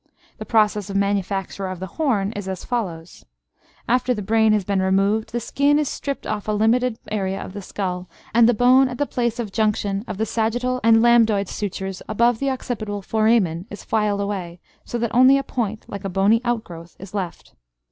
The process of manufacture of the horn is as follows. After the brain has been removed, the skin is stripped off a limited area of the skull, and the bone at the place of junction of the sagittal and lambdoid sutures above the occipital foramen is filed away, so that only a point, like a bony outgrowth, is left.